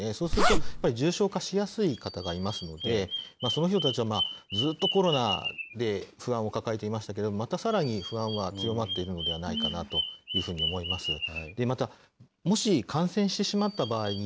そうすると、やっぱり重症化しやすい方がいますので、その人たちはずっとコロナで不安を抱えていましたけれども、またさらに、不安は強まっているのではないかなというふうに思います。